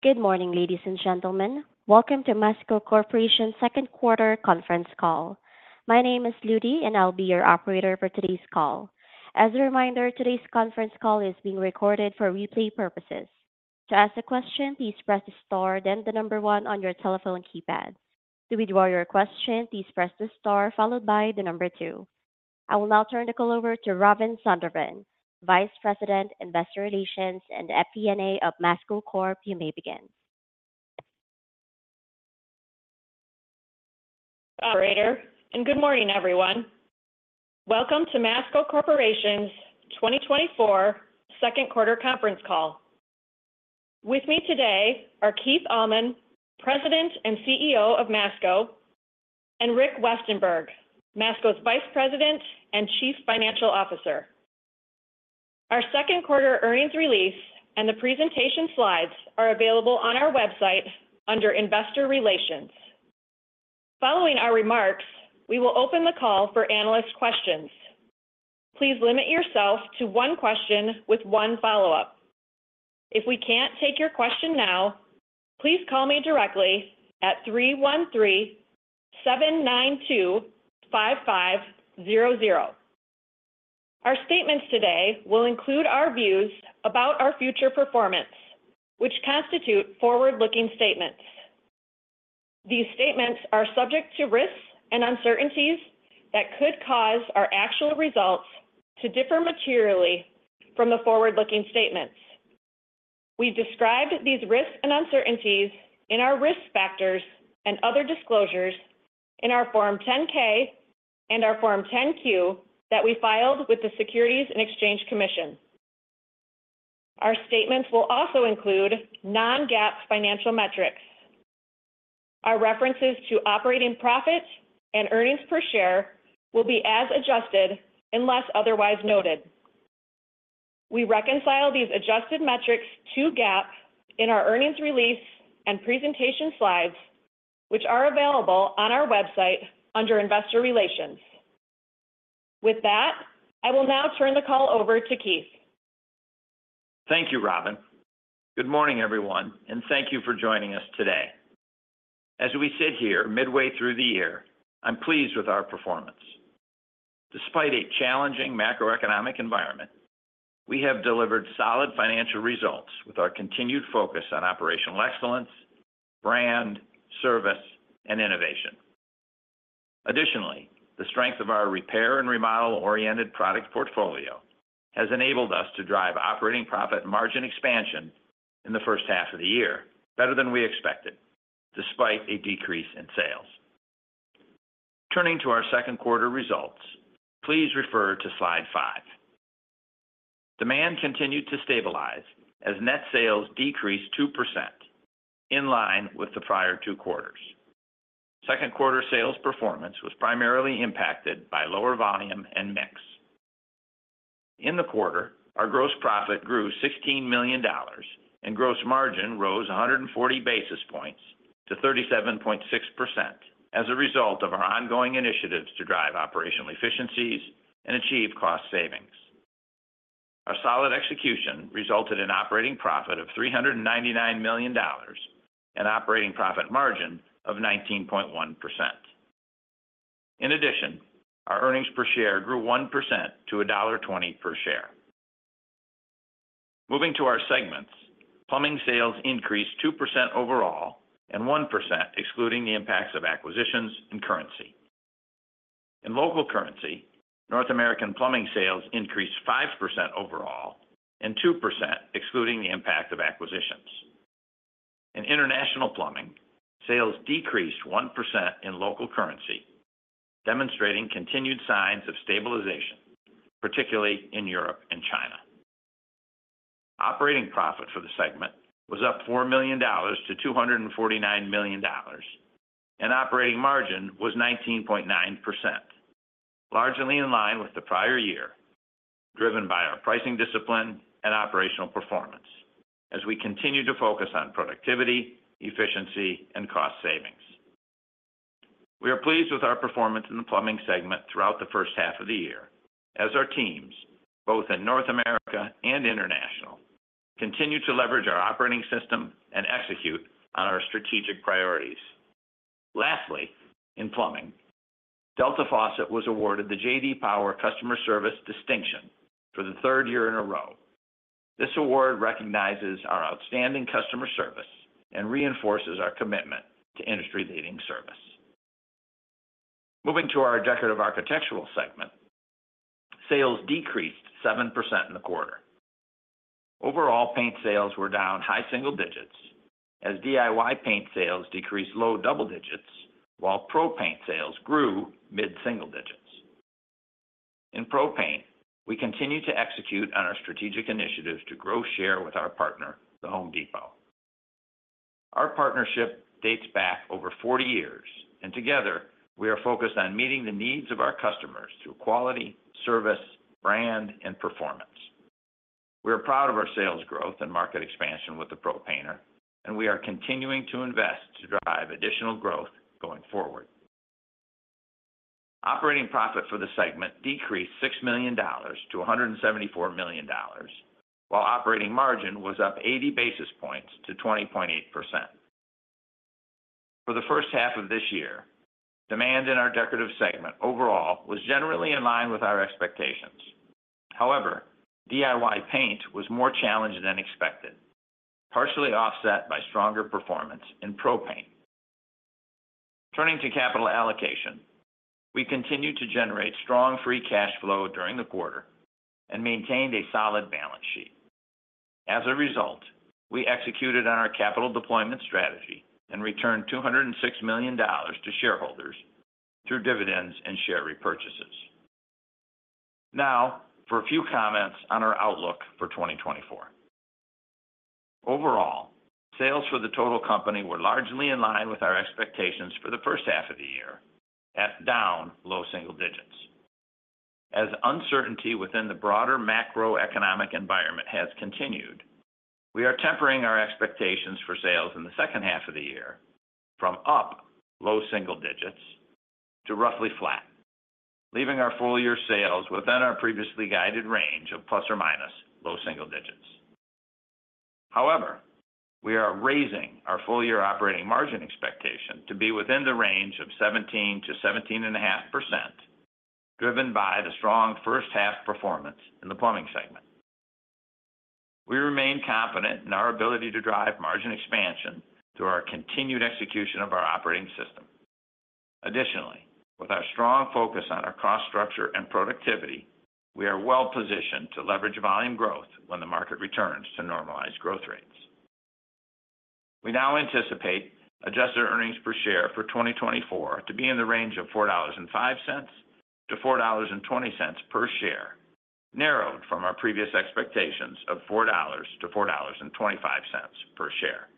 Good morning, ladies and gentlemen. Welcome to Masco Corporation's second quarter conference call. My name is Ludy, and I'll be your operator for today's call. As a reminder, today's conference call is being recorded for replay purposes. To ask a question, please press star, then the number one on your telephone keypad. To withdraw your question, please press the star followed by the number two. I will now turn the call over to Robin Zondervan, Vice President, Investor Relations, and FP&A of Masco Corp. You may begin. Thank you operator, and good morning, everyone. Welcome to Masco Corporation's 2024 Second Quarter Conference Call. With me today are Keith Allman, President and CEO of Masco, and Rick Westenberg, Masco's Vice President and Chief Financial Officer. Our second quarter earnings release and the presentation slides are available on our website under Investor Relations. Following our remarks, we will open the call for analyst questions. Please limit yourself to one question with one follow-up. If we can't take your question now, please call me directly at 313-792-5500. Our statements today will include our views about our future performance, which constitute forward-looking statements. These statements are subject to risks and uncertainties that could cause our actual results to differ materially from the forward-looking statements. We've described these risks and uncertainties in our risk factors and other disclosures in our Form 10-K and our Form 10-Q that we filed with the Securities and Exchange Commission. Our statements will also include non-GAAP financial metrics. Our references to operating profits and earnings per share will be as adjusted unless otherwise noted. We reconcile these adjusted metrics to GAAP in our earnings release and presentation slides, which are available on our website under Investor Relations. With that, I will now turn the call over to Keith. Thank you, Robin. Good morning, everyone, and thank you for joining us today. As we sit here midway through the year, I'm pleased with our performance. Despite a challenging macroeconomic environment, we have delivered solid financial results with our continued focus on operational excellence, brand, service, and innovation. Additionally, the strength of our repair and remodel-oriented product portfolio has enabled us to drive operating profit margin expansion in the first half of the year, better than we expected, despite a decrease in sales. Turning to our second quarter results, please refer to Slide 5. Demand continued to stabilize as net sales decreased 2%, in line with the prior two quarters. Second quarter sales performance was primarily impacted by lower volume and mix. In the quarter, our gross profit grew $16 million, and gross margin rose 140 basis points to 37.6% as a result of our ongoing initiatives to drive operational efficiencies and achieve cost savings. Our solid execution resulted in operating profit of $399 million and operating profit margin of 19.1%. In addition, our earnings per share grew 1% to $1.20 per share. Moving to our segments, plumbing sales increased 2% overall and 1% excluding the impacts of acquisitions and currency. In local currency, North American plumbing sales increased 5% overall and 2%, excluding the impact of acquisitions. In international plumbing, sales decreased 1% in local currency, demonstrating continued signs of stabilization, particularly in Europe and China. Operating profit for the segment was up $4 million to $249 million, and operating margin was 19.9%, largely in line with the prior-year, driven by our pricing discipline and operational performance as we continue to focus on productivity, efficiency, and cost savings. We are pleased with our performance in the plumbing segment throughout the first half of the year as our teams, both in North America and international, continue to leverage our operating system and execute on our strategic priorities. Lastly, in plumbing, Delta Faucet was awarded the J.D. Power Customer Service Distinction for the third year in a row. This award recognizes our outstanding customer service and reinforces our commitment to industry-leading service. Moving to our decorative architectural segment, sales decreased 7% in the quarter. Overall, paint sales were down high single digits as DIY paint sales decreased low double digits, while Pro paint sales grew mid single digits. In Pro paint, we continue to execute on our strategic initiatives to grow share with our partner, The Home Depot. Our partnership dates back over 40 years, and together, we are focused on meeting the needs of our customers through quality, service, brand, and performance. We are proud of our sales growth and market expansion with the Pro painter, and we are continuing to invest to drive additional growth going forward. Operating profit for the segment decreased $6 million to $174 million, while operating margin was up 80 basis points to 20.8%. For the first half of this year, demand in our decorative segment overall was generally in line with our expectations. However, DIY paint was more challenged than expected, partially offset by stronger performance in Pro paint. Turning to capital allocation, we continued to generate strong free cash flow during the quarter and maintained a solid balance sheet. As a result, we executed on our capital deployment strategy and returned $206 million to shareholders through dividends and share repurchases. Now, for a few comments on our outlook for 2024. Overall, sales for the total company were largely in line with our expectations for the first half of the year, at down low single digits. As uncertainty within the broader macroeconomic environment has continued, we are tempering our expectations for sales in the second half of the year from up low single digits to roughly flat, leaving our full-year sales within our previously guided range of plus or minus low single digits. However, we are raising our full-year operating margin expectation to be within the range of 17% to 17.5%, driven by the strong first half performance in the plumbing segment. We remain confident in our ability to drive margin expansion through our continued execution of our operating system. Additionally, with our strong focus on our cost structure and productivity, we are well positioned to leverage volume growth when the market returns to normalized growth rates. We now anticipate adjusted earnings per share for 2024 to be in the range of $4.05 to $4.20 per share, narrowed from our previous expectations of $4 to $4.25 per share.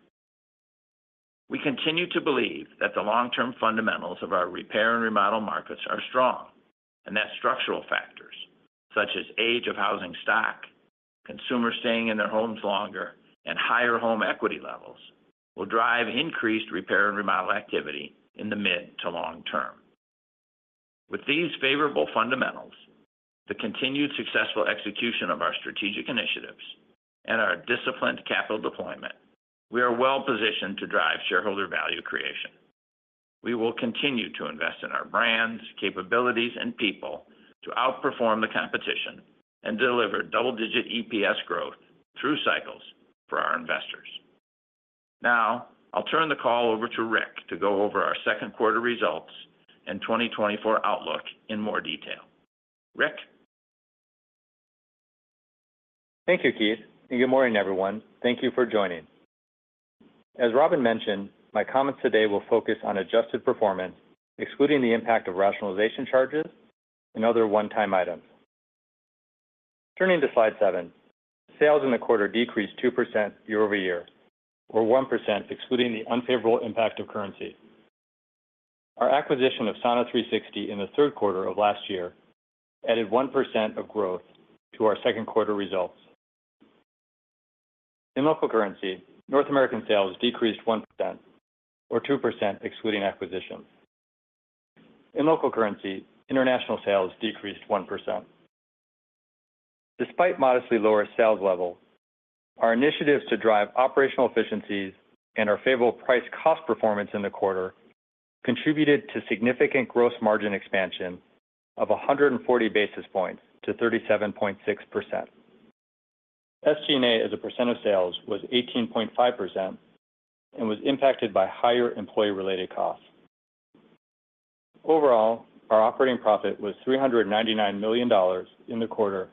We continue to believe that the long-term fundamentals of our repair and remodel markets are strong, and that structural factors such as age of housing stock, consumers staying in their homes longer, and higher home equity levels, will drive increased repair and remodel activity in the mid to long term. With these favorable fundamentals, the continued successful execution of our strategic initiatives and our disciplined capital deployment, we are well positioned to drive shareholder value creation. We will continue to invest in our brands, capabilities, and people to outperform the competition and deliver double-digit EPS growth through cycles for our investors. Now, I'll turn the call over to Rick to go over our second quarter results and 2024 outlook in more detail. Rick? Thank you, Keith, and good morning, everyone. Thank you for joining. As Robin mentioned, my comments today will focus on adjusted performance, excluding the impact of rationalization charges and other one-time items. Turning to Slide 7. Sales in the quarter decreased 2% year-over-year, or 1% excluding the unfavorable impact of currency. Our acquisition of Sauna360 in the third quarter of last year added 1% of growth to our second quarter results. In local currency, North American sales decreased 1%, or 2% excluding acquisitions. In local currency, international sales decreased 1%. Despite modestly lower sales levels, our initiatives to drive operational efficiencies and our favorable price-cost performance in the quarter contributed to significant gross margin expansion of 140 basis points to 37.6%. SG&A, as a percent of sales, was 18.5% and was impacted by higher employee-related costs. Overall, our operating profit was $399 million in the quarter,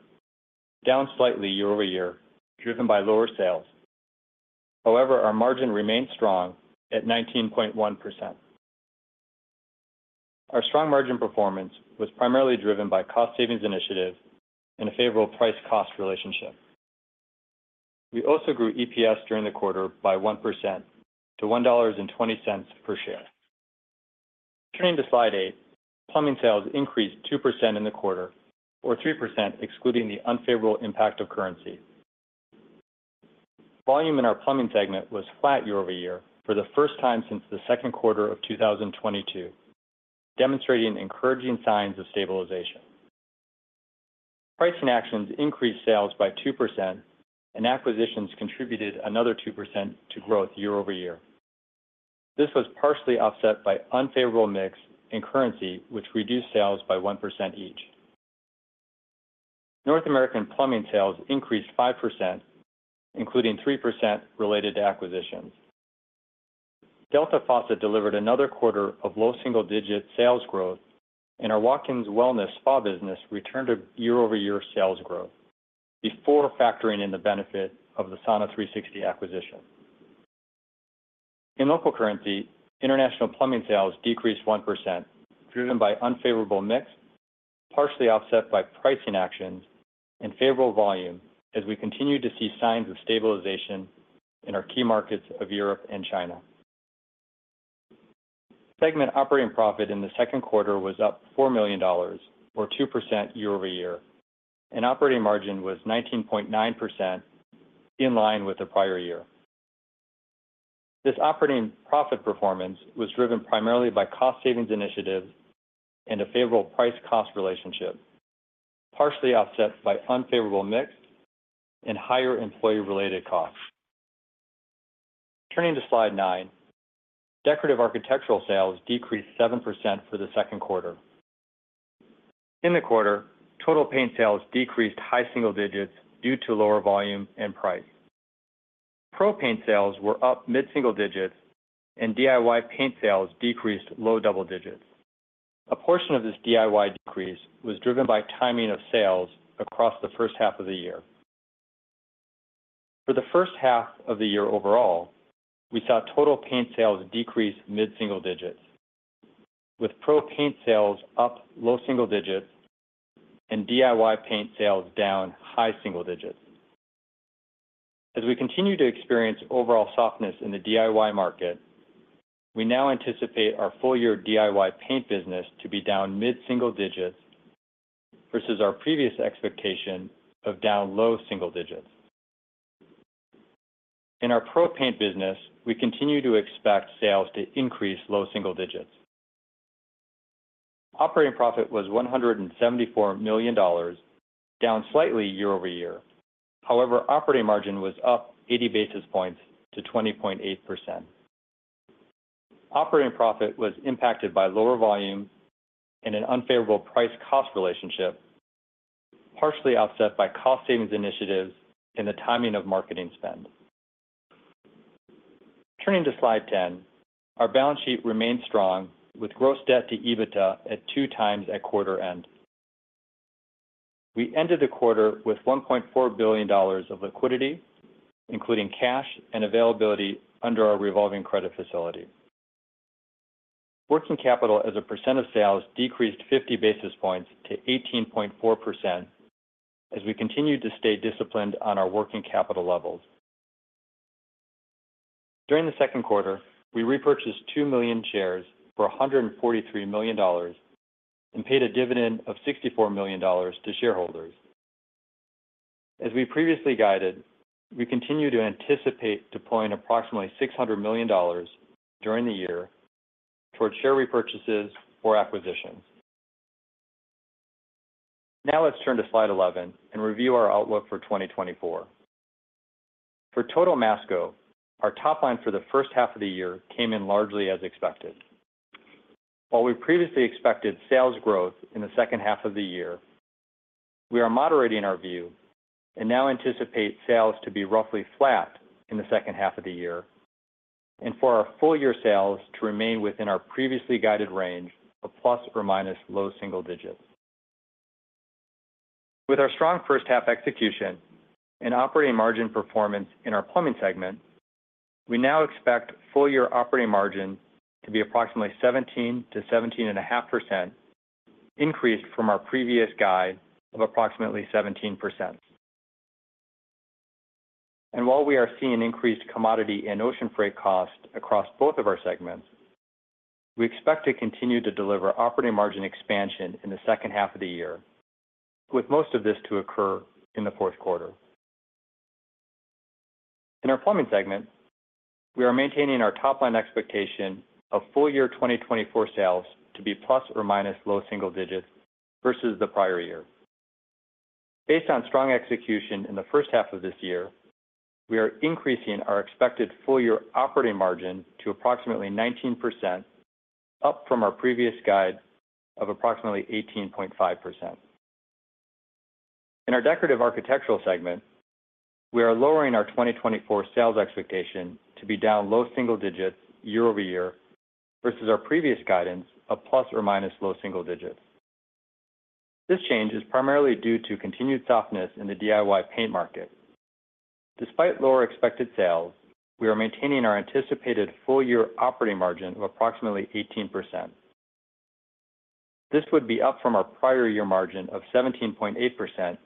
down slightly year-over-year, driven by lower sales. However, our margin remained strong at 19.1%. Our strong margin performance was primarily driven by cost savings initiatives and a favorable price-cost relationship. We also grew EPS during the quarter by 1% to $1.20 per share. Turning to Slide 8. Plumbing sales increased 2% in the quarter, or 3% excluding the unfavorable impact of currency. Volume in our plumbing segment was flat year-over-year for the first time since the second quarter of 2022, demonstrating encouraging signs of stabilization. Pricing actions increased sales by 2%, and acquisitions contributed another 2% to growth year-over-year. This was partially offset by unfavorable mix and currency, which reduced sales by 1% each. North American plumbing sales increased 5%, including 3% related to acquisitions. Delta Faucet delivered another quarter of low single-digit sales growth, and our Watkins Wellness spa business returned to year-over-year sales growth before factoring in the benefit of the Sauna360 acquisition. In local currency, international plumbing sales decreased 1%, driven by unfavorable mix, partially offset by pricing actions and favorable volume as we continue to see signs of stabilization in our key markets of Europe and China. Segment operating profit in the second quarter was up $4 million, or 2% year-over-year, and operating margin was 19.9% in line with the prior-year. This operating profit performance was driven primarily by cost savings initiatives and a favorable price-cost relationship, partially offset by unfavorable mix and higher employee-related costs. Turning to Slide 9, decorative architectural sales decreased 7% for the second quarter. In the quarter, total paint sales decreased high single digits due to lower volume and price. Pro paint sales were up mid single digits, and DIY paint sales decreased low double digits. A portion of this DIY decrease was driven by timing of sales across the first half of the year. For the first half of the year overall, we saw total paint sales decrease mid single digits, with Pro paint sales up low single digits and DIY paint sales down high single digits. As we continue to experience overall softness in the DIY market, we now anticipate our full-year DIY paint business to be down mid-single digits, versus our previous expectation of down low single digits. In our Pro paint business, we continue to expect sales to increase low single digits. Operating profit was $174 million, down slightly year-over-year. However, operating margin was up 80 basis points to 20.8%. Operating profit was impacted by lower volume and an unfavorable price-cost relationship, partially offset by cost savings initiatives and the timing of marketing spend. Turning to Slide 10, our balance sheet remains strong, with gross debt to EBITDA at 2x at quarter-end. We ended the quarter with $1.4 billion of liquidity, including cash and availability under our revolving credit facility. Working capital as a percent of sales decreased 50 basis points to 18.4%, as we continued to stay disciplined on our working capital levels. During the second quarter, we repurchased two million shares for $143 million and paid a dividend of $64 million to shareholders. As we previously guided, we continue to anticipate deploying approximately $600 million during the year towards share repurchases or acquisitions. Now let's turn to Slide 11 and review our outlook for 2024. For total Masco, our top line for the first half of the year came in largely as expected. While we previously expected sales growth in the second half of the year, we are moderating our view and now anticipate sales to be roughly flat in the second half of the year, and for our full-year sales to remain within our previously guided range of plus or minus low single digits. With our strong first half execution and operating margin performance in our plumbing segment, we now expect full-year operating margin to be approximately 17% to 17.5%, increased from our previous guide of approximately 17%. While we are seeing increased commodity and ocean freight costs across both of our segments, we expect to continue to deliver operating margin expansion in the second half of the year, with most of this to occur in the fourth quarter. In our plumbing segment, we are maintaining our top line expectation of full-year 2024 sales to be plus or minus low single digits versus the prior-year. Based on strong execution in the first half of this year, we are increasing our expected full-year operating margin to approximately 19%, up from our previous guide of approximately 18.5%. In our decorative architectural segment, we are lowering our 2024 sales expectation to be down low single digits year-over-year, versus our previous guidance of plus or minus low single digits. This change is primarily due to continued softness in the DIY paint market. Despite lower expected sales, we are maintaining our anticipated full-year operating margin of approximately 18%. This would be up from our prior-year margin of 17.8%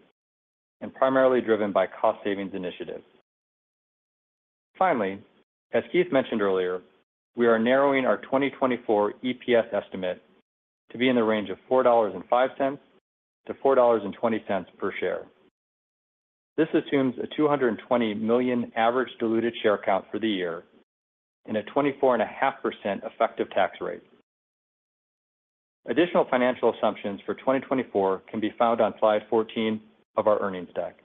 and primarily driven by cost savings initiatives. Finally, as Keith mentioned earlier, we are narrowing our 2024 EPS estimate to be in the range of $4.05 to $4.20 per share. This assumes a 220 million average diluted share count for the year and a 24.5% effective tax rate. Additional financial assumptions for 2024 can be found on Slide 14 of our earnings deck.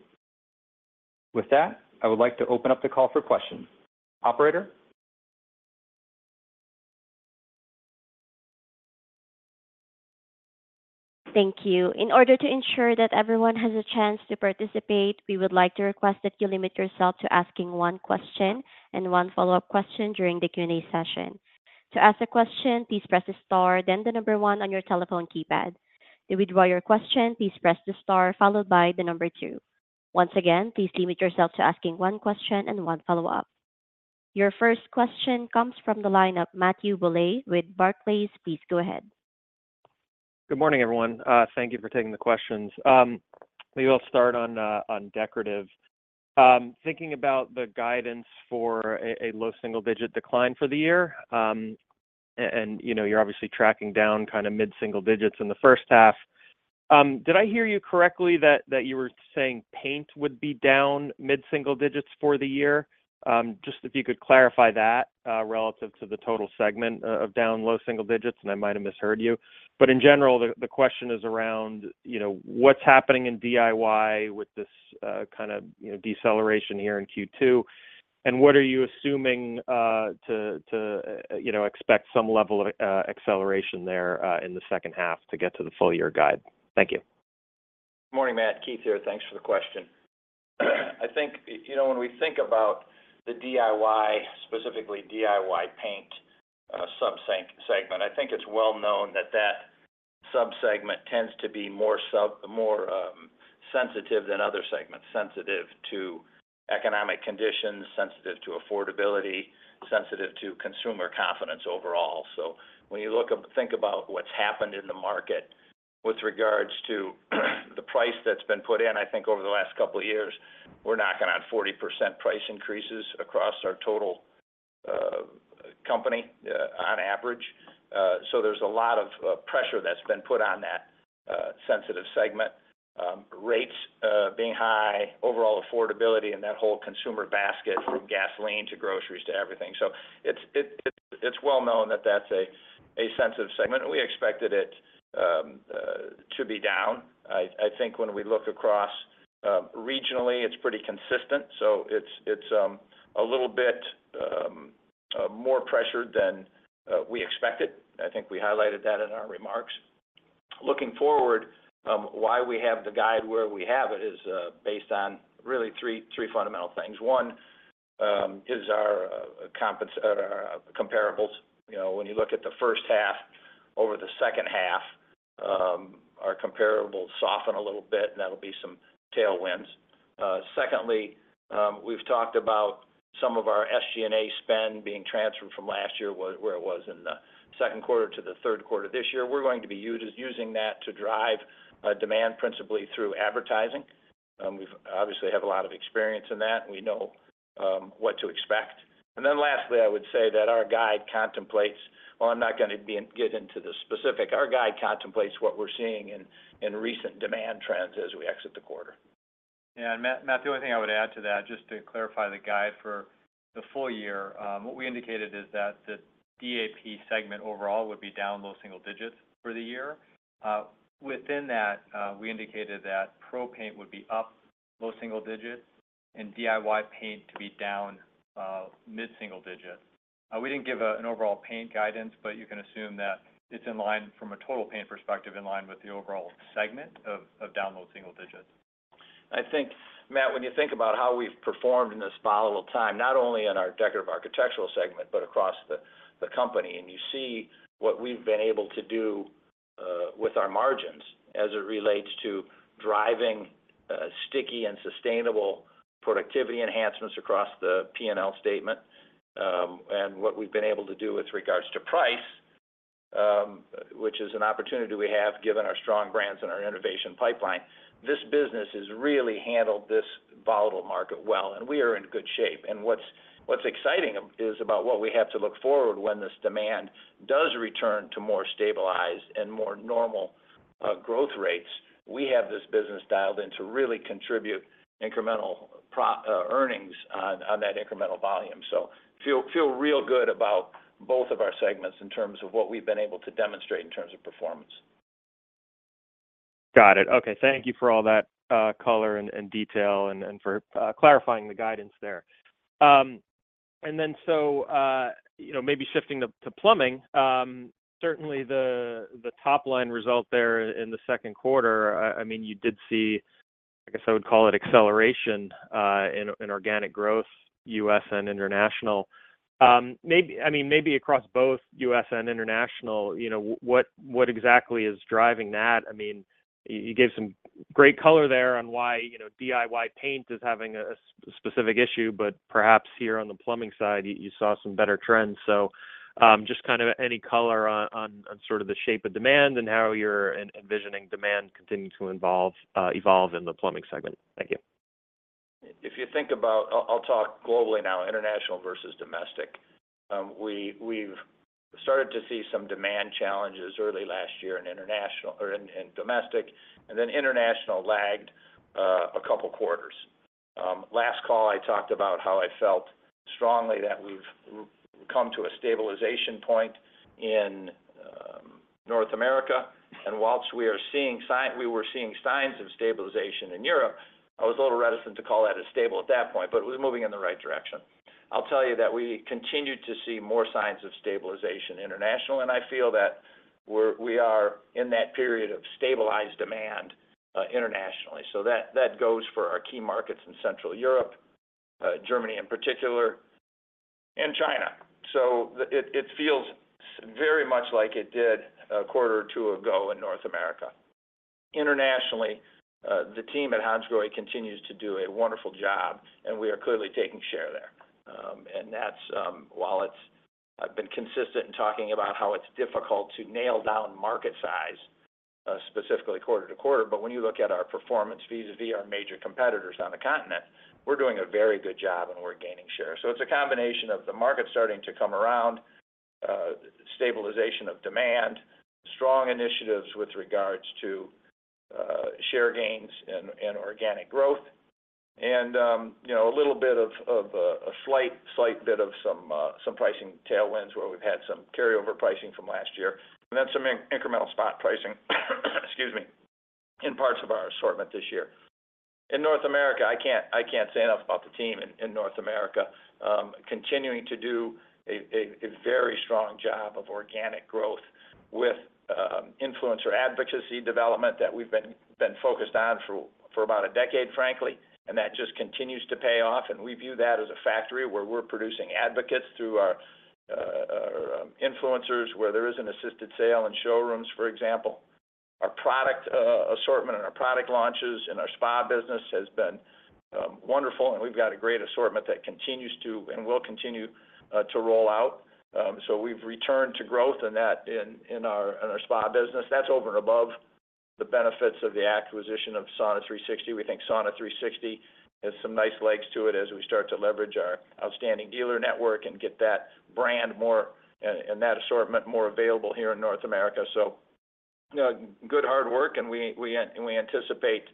With that, I would like to open up the call for questions. Operator? Thank you. In order to ensure that everyone has a chance to participate, we would like to request that you limit yourself to asking one question and one follow-up question during the Q&A session. To ask a question, please press star, then the number one on your telephone keypad. To withdraw your question, please press the star followed by the number two. Once again, please limit yourself to asking one question and one follow-up. Your first question comes from the line of Matthew Bouley with Barclays. Please go ahead. Good morning, everyone. Thank you for taking the questions. Maybe I'll start on decorative. Thinking about the guidance for a low single-digit decline for the year, and you know, you're obviously tracking down kind of mid-single digits in the first half. Did I hear you correctly that you were saying paint would be down mid-single digits for the year? Just if you could clarify that relative to the total segment of down low single digits, and I might have misheard you. But in general, the question is around, you know, what's happening in DIY with this kind of, you know, deceleration here in Q2? And what are you assuming to you know, expect some level of acceleration there in the second half to get to the full-year guide? Thank you. Good morning, Matt. Keith here. Thanks for the question. I think, you know, when we think about the DIY, specifically DIY paint, sub-segment, I think it's well known that that sub-segment tends to be more more, sensitive than other segments, sensitive to economic conditions, sensitive to affordability, sensitive to consumer confidence overall. So when you think about what's happened in the market with regards to the price that's been put in, I think over the last couple of years, we're knocking on 40% price increases across our total, company, on average. So there's a lot of, pressure that's been put on that, sensitive segment. Rates, being high, overall affordability, and that whole consumer basket, from gasoline to groceries to everything. So it's well known that that's a sensitive segment, and we expected it to be down. I think when we look across regionally, it's pretty consistent, so it's a little bit more pressured than we expected. I think we highlighted that in our remarks. Looking forward, why we have the guide where we have it is based on really three fundamental things. One is our comparables. You know, when you look at the first half over the second half, our comparables soften a little bit, and that'll be some tailwinds. Secondly, we've talked about some of our SG&A spend being transferred from last year, where it was in the second quarter to the third quarter this year. We're going to be using that to drive demand, principally through advertising. We've obviously have a lot of experience in that, and we know what to expect. And then lastly, I would say that our guide contemplates—well, I'm not going to get into the specific. Our guide contemplates what we're seeing in recent demand trends as we exit the quarter. Yeah, and Matt, Matt, the only thing I would add to that, just to clarify the guidance for the full-year. What we indicated is that the DAP segment overall would be down low single digits for the year. Within that, we indicated that Pro paint would be up low single digits and DIY paint to be down mid single digits. We didn't give an overall paint guidance, but you can assume that it's in line from a total paint perspective, in line with the overall segment of down low single digits. I think, Matt, when you think about how we've performed in this volatile time, not only in our decorative architectural segment, but across the company, and you see what we've been able to do with our margins as it relates to driving sticky and sustainable productivity enhancements across the PNL statement, and what we've been able to do with regards to price, which is an opportunity we have, given our strong brands and our innovation pipeline, this business has really handled this volatile market well, and we are in good shape. What's exciting is about what we have to look forward when this demand does return to more stabilized and more normal growth rates. We have this business dialed in to really contribute incremental earnings on that incremental volume. So feel real good about both of our segments in terms of what we've been able to demonstrate in terms of performance. Got it. Okay, thank you for all that, color and detail and for clarifying the guidance there. So, you know, maybe shifting to plumbing, certainly the top-line result there in the second quarter, I mean, you did see, I guess I would call it acceleration, in organic growth, U.S. and international. I mean, maybe across both U.S. and international, you know, what exactly is driving that? I mean, you gave some great color there on why, you know, DIY paint is having a specific issue, but perhaps here on the plumbing side, you saw some better trends. So, just kind of any color on sort of the shape of demand and how you're envisioning demand continuing to evolve in the plumbing segment. Thank you. If you think about—I'll talk globally now, international versus domestic. We've started to see some demand challenges early last year in international—or in domestic, and then international lagged a couple quarters. Last call, I talked about how I felt strongly that we've come to a stabilization point in North America, and while we were seeing signs of stabilization in Europe, I was a little reticent to call that stable at that point, but it was moving in the right direction. I'll tell you that we continued to see more signs of stabilization internationally, and I feel that we are in that period of stabilized demand internationally. So that goes for our key markets in Central Europe, Germany in particular, and China. So the— It, it feels very much like it did a quarter or two ago in North America. Internationally, the team at Hansgrohe continues to do a wonderful job, and we are clearly taking share there. And that's while it's—I've been consistent in talking about how it's difficult to nail down market size, specifically quarter to quarter, but when you look at our performance vis-a-vis our major competitors on the continent, we're doing a very good job, and we're gaining share. So it's a combination of the market starting to come around, stabilization of demand, strong initiatives with regards to, share gains and organic growth. You know, a little bit of a slight bit of some pricing tailwinds, where we've had some carryover pricing from last year, and then some incremental spot pricing, excuse me, in parts of our assortment this year. In North America, I can't say enough about the team in North America continuing to do a very strong job of organic growth with influencer advocacy development that we've been focused on for about a decade, frankly, and that just continues to pay off, and we view that as a factory where we're producing advocates through our influencers, where there is an assisted sale in showrooms, for example. Our product assortment and our product launches and our spa business has been wonderful, and we've got a great assortment that continues to and will continue to roll out. So we've returned to growth, and that in our spa business. That's over and above the benefits of the acquisition of Sauna360. We think Sauna360 has some nice legs to it as we start to leverage our outstanding dealer network and get that brand more and that assortment more available here in North America. So good hard work, and we anticipate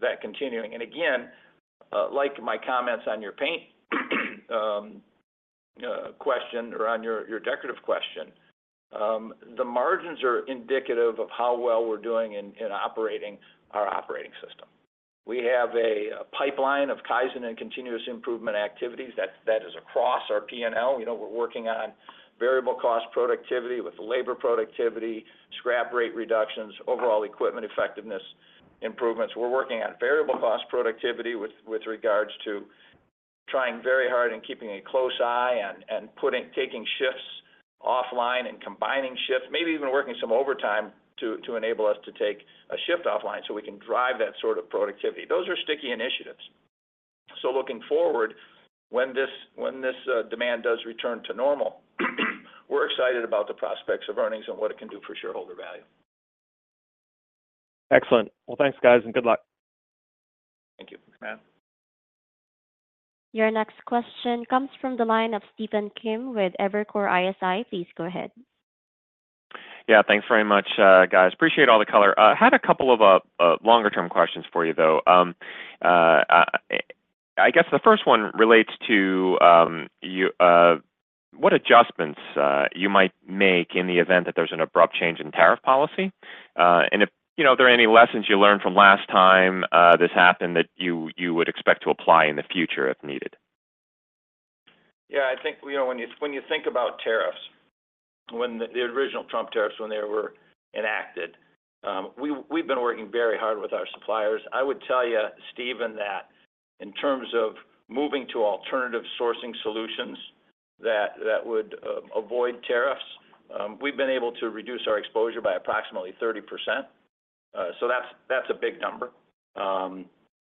that continuing. And again, like my comments on your paint question or on your decorative question, the margins are indicative of how well we're doing in operating our operating system. We have a pipeline of Kaizen and continuous improvement activities that, that is across our P&L. We know we're working on variable cost productivity with labor productivity, scrap rate reductions, overall equipment effectiveness improvements. We're working on variable cost productivity with, with regards to trying very hard and keeping a close eye on and taking shifts offline and combining shifts, maybe even working some overtime to, to enable us to take a shift offline so we can drive that sort of productivity. Those are sticky initiatives. So looking forward, when this, when this, demand does return to normal, we're excited about the prospects of earnings and what it can do for shareholder value. Excellent. Well, thanks, guys, and good luck. Thank you, Matt. Your next question comes from the line of Stephen Kim with Evercore ISI. Please go ahead. Yeah, thanks very much, guys. Appreciate all the color. I had a couple of longer term questions for you, though. I guess the first one relates to what adjustments you might make in the event that there's an abrupt change in tariff policy? And if, you know, are there any lessons you learned from last time this happened that you would expect to apply in the future if needed? Yeah, I think, you know, when you, when you think about tariffs, when the, the original Trump tariffs, when they were enacted, we, we've been working very hard with our suppliers. I would tell you, Steven, that in terms of moving to alternative sourcing solutions that, that would avoid tariffs, we've been able to reduce our exposure by approximately 30%. So that's, that's a big number.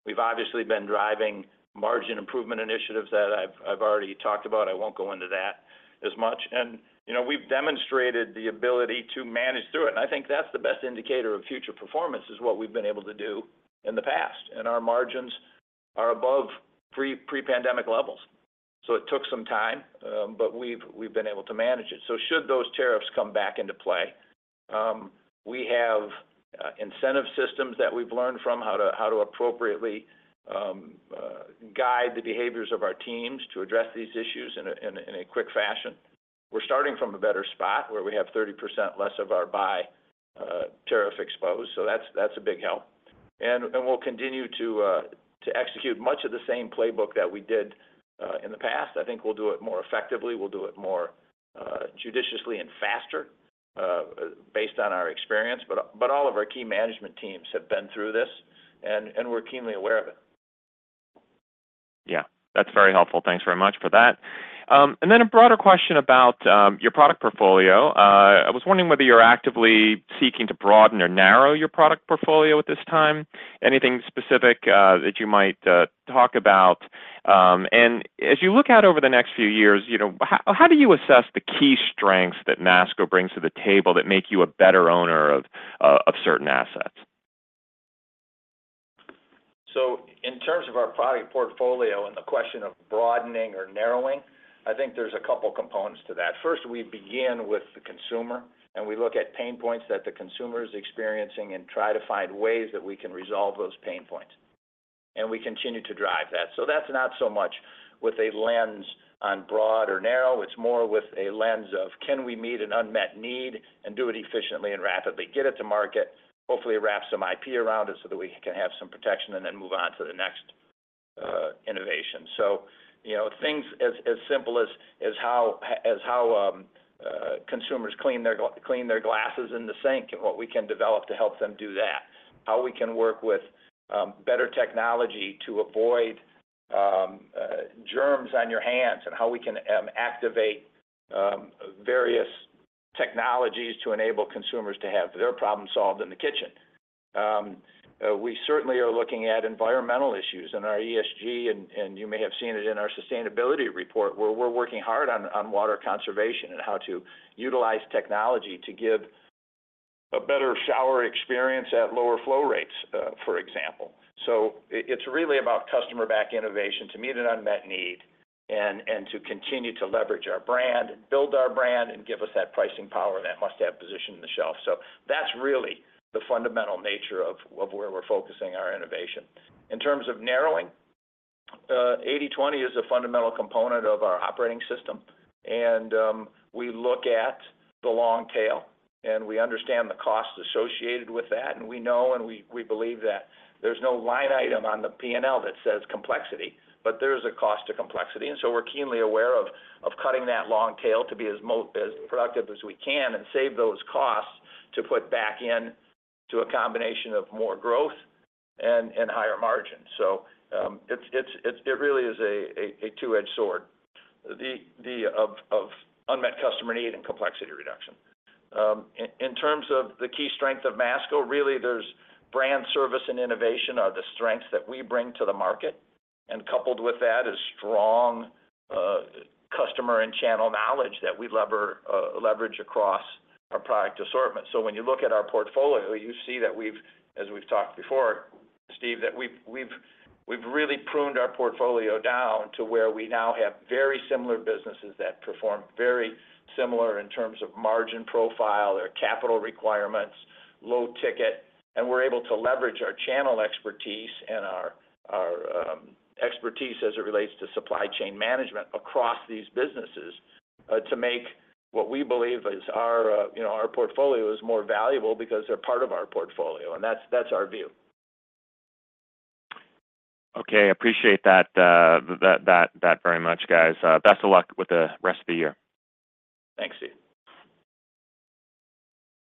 We've obviously been driving margin improvement initiatives that I've, I've already talked about. I won't go into that as much. And, you know, we've demonstrated the ability to manage through it. And I think that's the best indicator of future performance, is what we've been able to do in the past, and our margins are above pre-pre-pandemic levels. So it took some time, but we've, we've been able to manage it. So should those tariffs come back into play, we have incentive systems that we've learned from how to appropriately guide the behaviors of our teams to address these issues in a quick fashion. We're starting from a better spot, where we have 30% less of our buy tariff exposed, so that's a big help. And we'll continue to execute much of the same playbook that we did in the past. I think we'll do it more effectively. We'll do it more judiciously and faster based on our experience. But all of our key management teams have been through this, and we're keenly aware of it. Yeah, that's very helpful. Thanks very much for that. And then a broader question about your product portfolio. I was wondering whether you're actively seeking to broaden or narrow your product portfolio at this time. Anything specific that you might talk about? And as you look out over the next few years, you know, how do you assess the key strengths that Masco brings to the table that make you a better owner of certain assets? So in terms of our product portfolio and the question of broadening or narrowing, I think there's a couple components to that. First, we begin with the consumer, and we look at pain points that the consumer is experiencing and try to find ways that we can resolve those pain points, and we continue to drive that. So that's not so much with a lens on broad or narrow. It's more with a lens of, can we meet an unmet need and do it efficiently and rapidly, get it to market, hopefully wrap some IP around it so that we can have some protection, and then move on to the next innovation? So you know, things as simple as how consumers clean their glasses in the sink and what we can develop to help them do that. How we can work with better technology to avoid germs on your hands, and how we can activate various technologies to enable consumers to have their problem solved in the kitchen. We certainly are looking at environmental issues and our ESG, and you may have seen it in our sustainability report, where we're working hard on water conservation and how to utilize technology to give a better shower experience at lower flow rates, for example. So it's really about customer back innovation to meet an unmet need and to continue to leverage our brand, and build our brand, and give us that pricing power, that must-have position in the shelf. So that's really the fundamental nature of where we're focusing our innovation. In terms of narrowing, 80/20 is a fundamental component of our operating system, and we look at the long tail, and we understand the costs associated with that, and we know, and we believe that there's no line item on the P&L that says complexity, but there is a cost to complexity. And so we're keenly aware of cutting that long tail to be as productive as we can and save those costs to put back into a combination of more growth and higher margins. So it really is a two-edged sword. The unmet customer need and complexity reduction. In terms of the key strength of Masco, really, there's brand, service, and innovation are the strengths that we bring to the market. And coupled with that is strong customer and channel knowledge that we leverage across our product assortment. So when you look at our portfolio, you see that we've, as we've talked before, Steve, that we've really pruned our portfolio down to where we now have very similar businesses that perform very similar in terms of margin profile, their capital requirements, low ticket, and we're able to leverage our channel expertise and our expertise as it relates to supply chain management across these businesses to make what we believe is our, you know, our portfolio is more valuable because they're part of our portfolio, and that's our view. Okay, appreciate that very much, guys. Best of luck with the rest of the year. Thanks, Steve.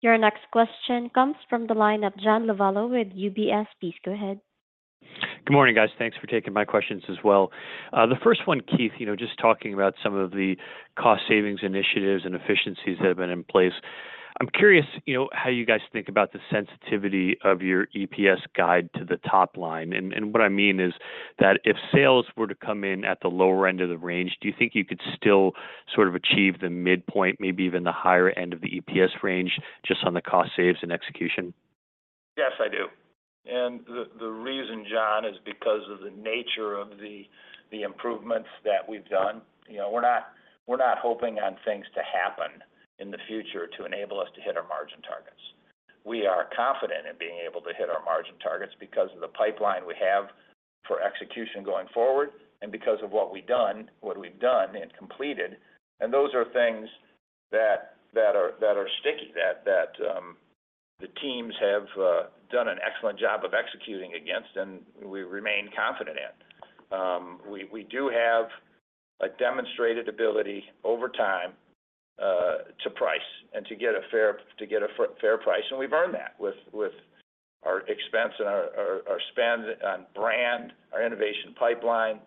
Your next question comes from the line of John Lovallo with UBS. Please go ahead. Good morning, guys. Thanks for taking my questions as well. The first one, Keith, you know, just talking about some of the cost savings initiatives and efficiencies that have been in place. I'm curious, you know, how you guys think about the sensitivity of your EPS guide to the top line? And what I mean is that if sales were to come in at the lower end of the range, do you think you could still sort of achieve the midpoint, maybe even the higher end of the EPS range, just on the cost saves and execution? Yes, I do. And the reason, John, is because of the nature of the improvements that we've done. You know, we're not hoping on things to happen in the future to enable us to hit our margin targets. We are confident in being able to hit our margin targets because of the pipeline we have for execution going forward and because of what we've done and completed, and those are things that are sticky, the teams have done an excellent job of executing against, and we remain confident in. We, we do have a demonstrated ability over time to price and to get a fair price, and we've earned that with, with our expense and our, our, our spend on brand, our innovation pipeline,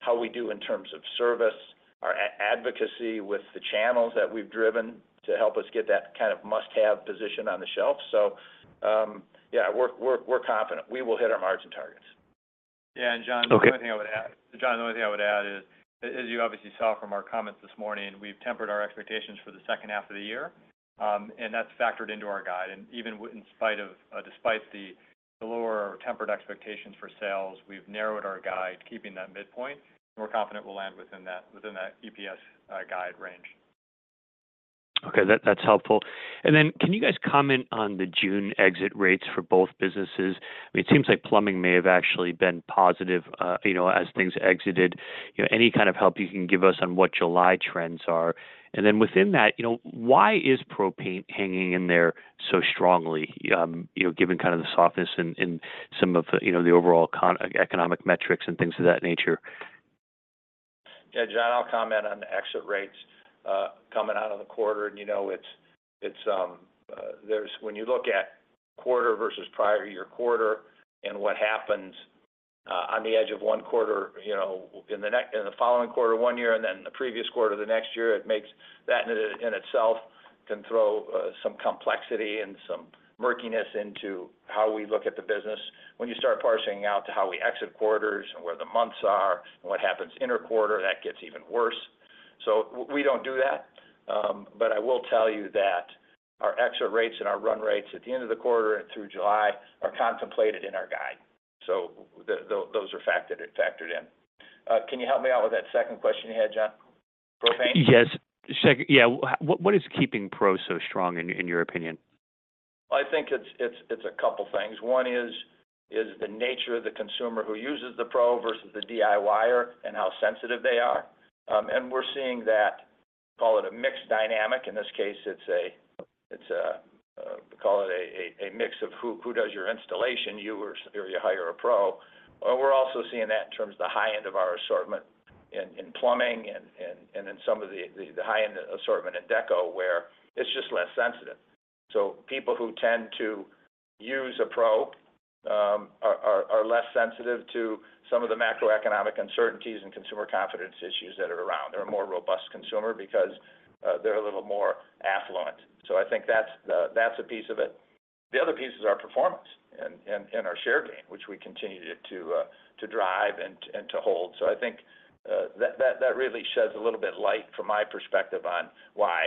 how we do in terms of service, our advocacy with the channels that we've driven to help us get that kind of must-have position on the shelf. So, yeah, we're, we're, we're confident. We will hit our margin targets. Yeah, John, the only thing I would add is, as you obviously saw from our comments this morning, we've tempered our expectations for the second half of the year, and that's factored into our guide. Even despite the lower tempered expectations for sales, we've narrowed our guide, keeping that midpoint, and we're confident we'll land within that EPS guide range. Okay, that's helpful. And then, can you guys comment on the June exit rates for both businesses? It seems like plumbing may have actually been positive, you know, as things exited. You know, any kind of help you can give us on what July trends are? And then within that, you know, why is Pro paint hanging in there so strongly? You know, given kind of the softness in some of the, you know, the overall economic metrics and things of that nature. Yeah, John, I'll comment on the exit rates coming out of the quarter. And, you know, it's when you look at quarter versus prior-year quarter and what happens on the edge of one quarter, you know, in the following quarter one year and then the previous quarter the next year, it makes. That in itself can throw some complexity and some murkiness into how we look at the business. When you start parsing out to how we exit quarters and where the months are and what happens inter quarter, that gets even worse. So we don't do that. But I will tell you that our exit rates and our run rates at the end of the quarter and through July are contemplated in our guide. So those are factored in. Can you help me out with that second question you had, John? Pro paint? Yes. Yeah. What is keeping Pro so strong in, in your opinion? I think it's a couple things. One is the nature of the consumer who uses the Pro versus the DIYer and how sensitive they are. And we're seeing that, call it a mixed dynamic. In this case, it's a mix of who does your installation, you or you hire a pro. We're also seeing that in terms of the high end of our assortment in plumbing and in some of the high-end assortment in Deco, where it's just less sensitive. So people who tend to use a pro are less sensitive to some of the macroeconomic uncertainties and consumer confidence issues that are around. They're a more robust consumer because they're a little more affluent. So I think that's the, that's a piece of it. The other piece is our performance and our share gain, which we continued to drive and to hold. So I think that really sheds a little bit light from my perspective on why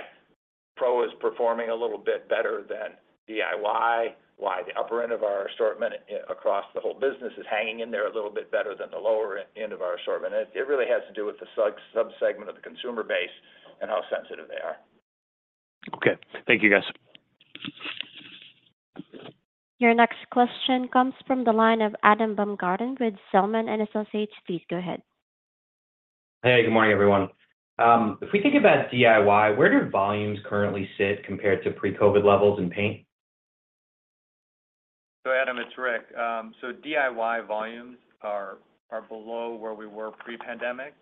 Pro is performing a little bit better than DIY, why the upper end of our assortment across the whole business is hanging in there a little bit better than the lower end of our assortment. It really has to do with the subsegment of the consumer base and how sensitive they are. Okay. Thank you, guys. Your next question comes from the line of Adam Baumgarten with Zelman & Associates. Please go ahead. Hey, good morning, everyone. If we think about DIY, where do volumes currently sit compared to pre-COVID levels in paint? So Adam, it's Rick. So DIY volumes are below where we were pre-pandemic.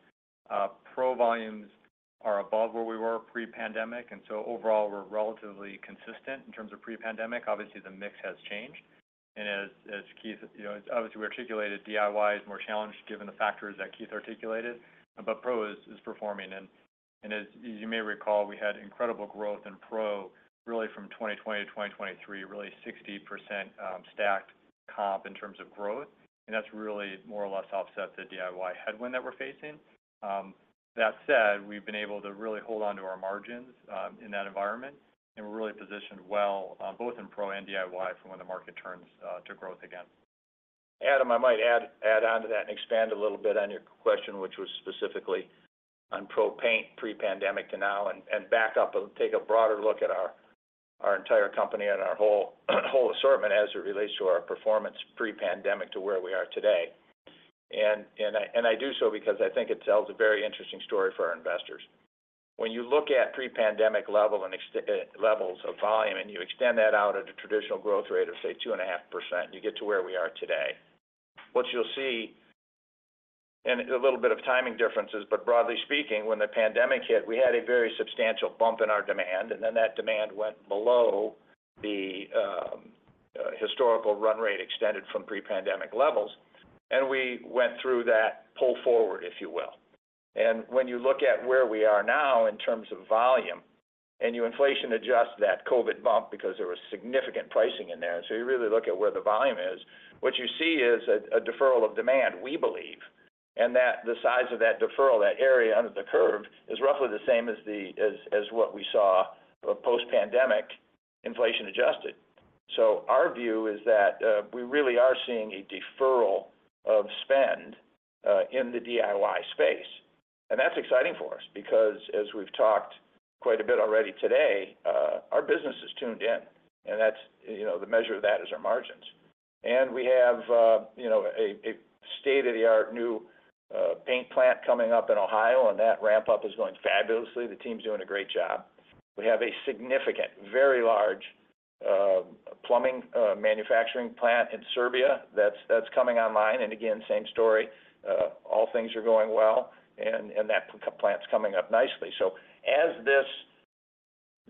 Pro volumes are above where we were pre-pandemic, and so overall, we're relatively consistent in terms of pre-pandemic. Obviously, the mix has changed, and as Keith, you know, obviously we articulated, DIY is more challenged given the factors that Keith articulated, but Pro is performing. And as you may recall, we had incredible growth in Pro, really from 2020 to 2023, really 60%, stacked comp in terms of growth, and that's really more or less offset the DIY headwind that we're facing. That said, we've been able to really hold on to our margins in that environment, and we're really positioned well, both in Pro and DIY from when the market turns to growth again. Adam, I might add on to that and expand a little bit on your question, which was specifically on Pro paint pre-pandemic to now, and back up and take a broader look at our entire company and our whole assortment as it relates to our performance pre-pandemic to where we are today. And I do so because I think it tells a very interesting story for our investors. When you look at pre-pandemic levels of volume, and you extend that out at a traditional growth rate of, say, 2.5%, you get to where we are today. What you'll see, and a little bit of timing differences, but broadly speaking, when the pandemic hit, we had a very substantial bump in our demand, and then that demand went below the historical run rate extended from pre-pandemic levels, and we went through that pull forward, if you will. And when you look at where we are now in terms of volume, and you inflation adjust that COVID bump, because there was significant pricing in there. So you really look at where the volume is, what you see is a deferral of demand, we believe, and that the size of that deferral, that area under the curve, is roughly the same as what we saw post-pandemic, inflation adjusted. So our view is that we really are seeing a deferral of spend in the DIY space. That's exciting for us because as we've talked quite a bit already today, our business is tuned in, and that's, you know, the measure of that is our margins. We have, you know, a state-of-the-art new paint plant coming up in Ohio, and that ramp-up is going fabulously. The team's doing a great job. We have a significant, very large plumbing manufacturing plant in Serbia that's coming online. Again, same story, all things are going well, and that plant's coming up nicely. So as this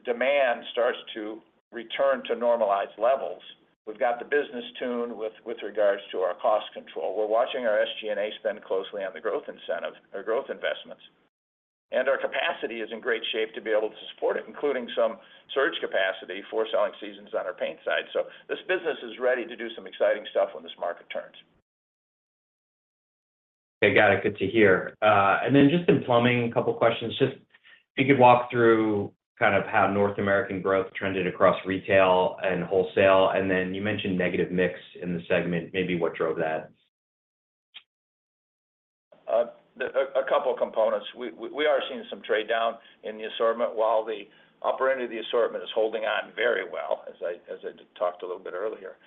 demand starts to return to normalized levels, we've got the business tuned with regards to our cost control. We're watching our SG&A spend closely on the growth incentive or growth investments, and our capacity is in great shape to be able to support it, including some surge capacity for selling seasons on our paint side. So this business is ready to do some exciting stuff when this market turns. Okay, got it. Good to hear. And then just in plumbing, a couple of questions. Just if you could walk through kind of how North American growth trended across retail and wholesale, and then you mentioned negative mix in the segment, maybe what drove that? A couple of components. We are seeing some trade down in the assortment, while the upper end of the assortment is holding on very well, as I talked a little bit earlier.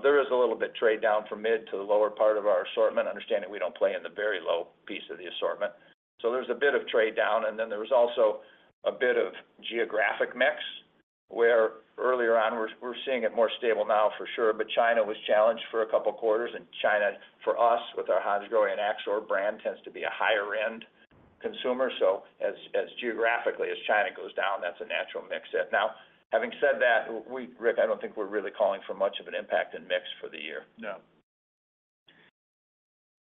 There is a little bit trade down from mid to the lower part of our assortment, understanding we don't play in the very low piece of the assortment. So there's a bit of trade down, and then there was also a bit of geographic mix, where earlier on, we're seeing it more stable now for sure, but China was challenged for a couple of quarters. And China, for us, with our Hansgrohe and Axor brand, tends to be a higher end consumer. So as geographically, as China goes down, that's a natural mix hit. Now, having said that, we, Rick, I don't think we're really calling for much of an impact in mix for the year. No.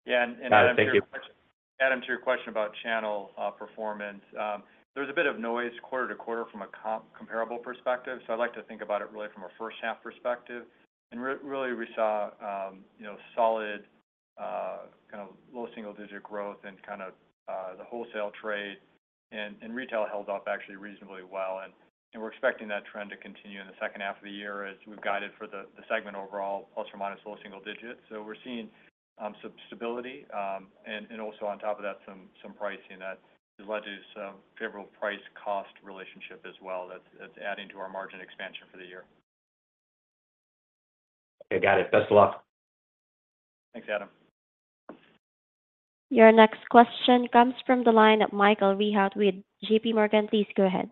Yeah, and, Adam, to your—Adam, to your question about channel performance, there was a bit of noise quarter to quarter from a comparable perspective, so I'd like to think about it really from a first half perspective. And really, we saw, you know, solid, kind of low single-digit growth and kind of the wholesale trade, and retail held up actually reasonably well. And we're expecting that trend to continue in the second half of the year as we've guided for the segment overall, plus or minus low single digits. So we're seeing some stability, and also on top of that, some pricing that has led to some favorable price-cost relationship as well. That's adding to our margin expansion for the year. Okay, got it. Best of luck. Thanks, Adam. Your next question comes from the line of Michael Rehaut with J.P. Morgan. Please go ahead.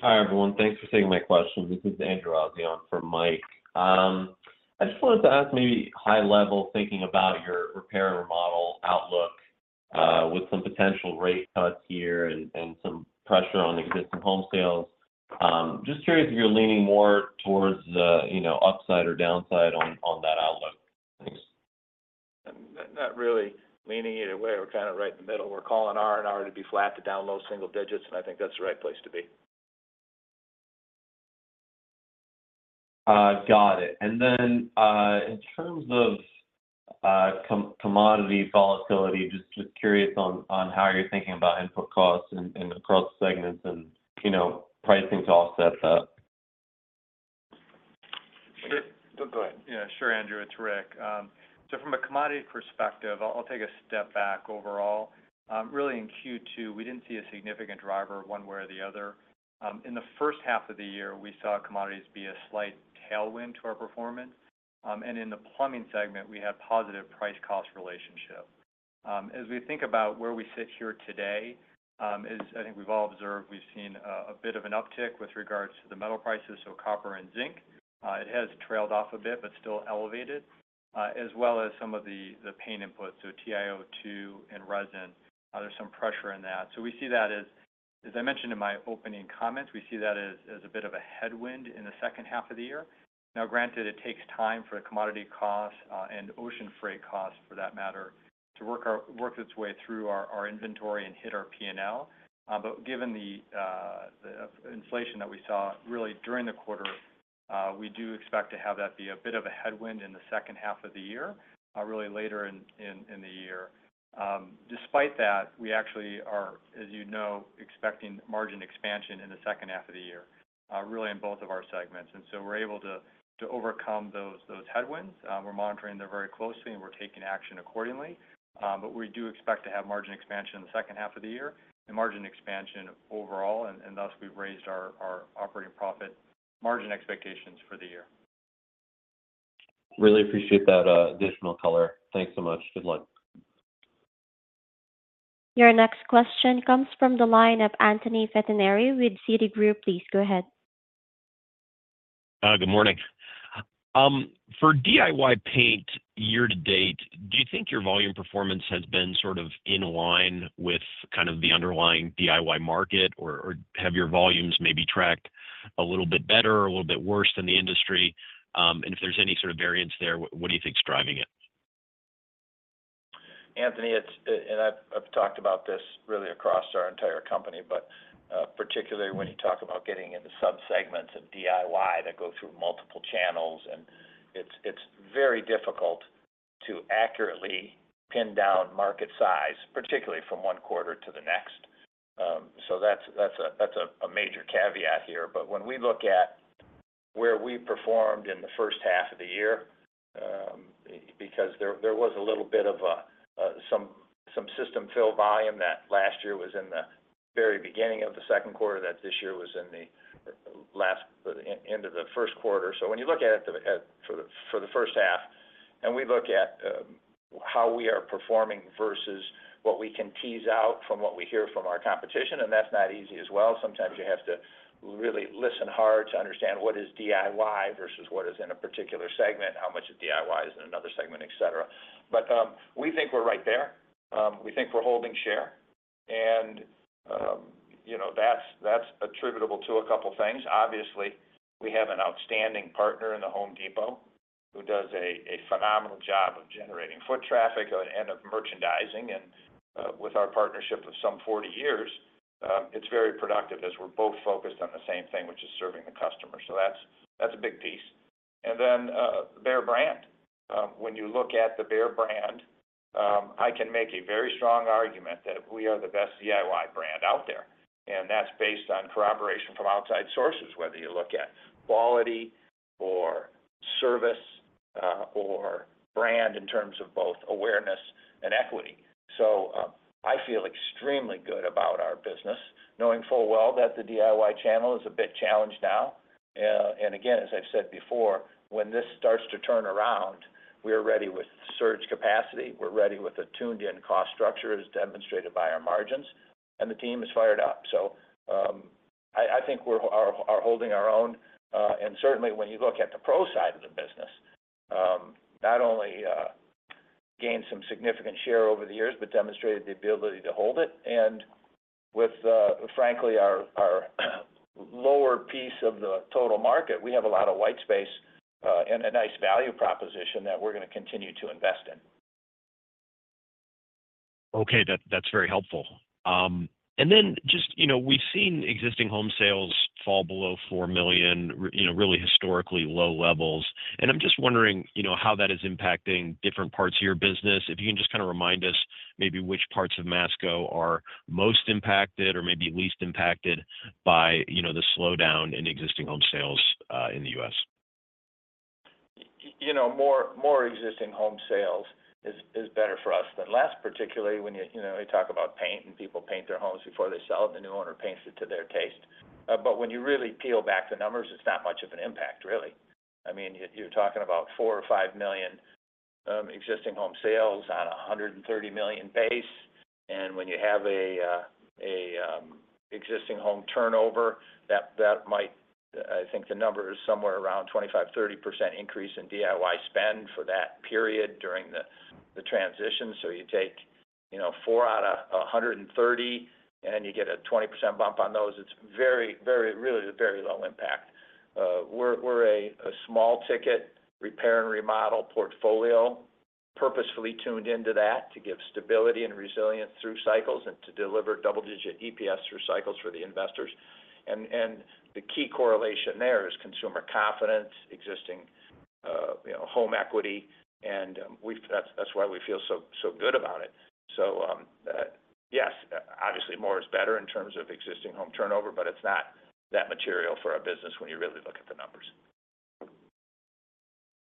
Hi, everyone. Thanks for taking my question. This is Andrew Azzi for Mike. I just wanted to ask, maybe high-level, thinking about your repair and remodel outlook, with some potential rate cuts here and, and some pressure on existing home sales. Just curious if you're leaning more towards the, you know, upside or downside on, on that outlook? Thanks. Not really leaning either way. We're kind of right in the middle. We're calling R&R to be flat to down low single digits, and I think that's the right place to be. Got it. And then, in terms of commodity volatility, just curious on how you're thinking about input costs and across segments and, you know, pricing to offset that. Sure. Go ahead. Yeah, sure, Andrew, it's Rick. So from a commodity perspective, I'll take a step back overall. Really, in Q2, we didn't see a significant driver one way or the other. In the first half of the year, we saw commodities be a slight tailwind to our performance. And in the plumbing segment, we had positive price-cost relationship. As we think about where we sit here today, is I think we've all observed, we've seen a bit of an uptick with regards to the metal prices, so copper and zinc. It has trailed off a bit, but still elevated, as well as some of the paint inputs, so TiO2 and resin. There's some pressure in that. So we see that as, as I mentioned in my opening comments, we see that as a bit of a headwind in the second half of the year. Now, granted, it takes time for the commodity costs and ocean freight costs, for that matter, to work its way through our inventory and hit our P&L. But given the inflation that we saw really during the quarter, we do expect to have that be a bit of a headwind in the second half of the year, really later in the year. Despite that, we actually are, as you know, expecting margin expansion in the second half of the year, really in both of our segments. And so we're able to overcome those headwinds. We're monitoring them very closely, and we're taking action accordingly. But we do expect to have margin expansion in the second half of the year and margin expansion overall, and thus, we've raised our operating profit margin expectations for the year. Really appreciate that, additional color. Thanks so much. Good luck. Your next question comes from the line of Anthony Pettinari with Citigroup. Please go ahead. Good morning. For DIY paint year-to-date, do you think your volume performance has been sort of in line with kind of the underlying DIY market, or have your volumes maybe tracked a little bit better or a little bit worse than the industry? And if there's any sort of variance there, what do you think is driving it? Anthony, it's and I've talked about this really across our entire company, but particularly when you talk about getting into subsegments of DIY that go through multiple channels, and it's very difficult to accurately pin down market size, particularly from one quarter to the next. So that's a major caveat here. But when we look at where we performed in the first half of the year, because there was a little bit of some system fill volume that last year was in the very beginning of the second quarter, that this year was in the last end of the first quarter. So when you look at it for the first half, and we look at how we are performing versus what we can tease out from what we hear from our competition, and that's not easy as well. Sometimes you have to really listen hard to understand what is DIY versus what is in a particular segment, how much of DIY is in another segment, et cetera. But we think we're right there. We think we're holding share, and you know, that's attributable to a couple things. Obviously, we have an outstanding partner in The Home Depot, who does a phenomenal job of generating foot traffic and of merchandising, and with our partnership of some 40 years, it's very productive as we're both focused on the same thing, which is serving the customer. So that's a big piece. And then, Behr brand. When you look at the Behr brand, I can make a very strong argument that we are the best DIY brand out there, and that's based on corroboration from outside sources, whether you look at quality or service, or brand in terms of both awareness and equity. So, I feel extremely good about our business, knowing full well that the DIY channel is a bit challenged now. And again, as I've said before, when this starts to turn around, we are ready with surge capacity, we're ready with a tuned-in cost structure, as demonstrated by our margins, and the team is fired up. So, I think we're holding our own. Certainly, when you look at the Pro side of the business, not only gained some significant share over the years, but demonstrated the ability to hold it. With, frankly, our lower piece of the total market, we have a lot of white space, and a nice value proposition that we're gonna continue to invest in. Okay, that's very helpful. And then just, you know, we've seen existing home sales fall below four million, you know, really historically low levels. And I'm just wondering, you know, how that is impacting different parts of your business. If you can just kind of remind us maybe which parts of Masco are most impacted or maybe least impacted by, you know, the slowdown in existing home sales in the U.S. You know, more existing home sales is better for us than less, particularly when you know you talk about paint and people paint their homes before they sell, and the new owner paints it to their taste. But when you really peel back the numbers, it's not much of an impact, really. I mean, you're talking about four or five million existing home sales on a 130 million pace, and when you have a existing home turnover, that might—I think the number is somewhere around 25, 30% increase in DIY spend for that period during the transition. So you take—you know, four out of a 130, and then you get a 20% bump on those, it's very, very, really a very low impact. We're a small ticket repair and remodel portfolio, purposefully tuned into that to give stability and resilience through cycles and to deliver double-digit EPS through cycles for the investors. And the key correlation there is consumer confidence, existing, you know, home equity, and, we've—that's why we feel so good about it. So, yes, obviously, more is better in terms of existing home turnover, but it's not that material for our business when you really look at the numbers.